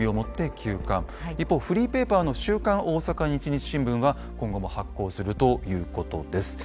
一方フリーペーパーの週刊大阪日日新聞は今後も発行するということです。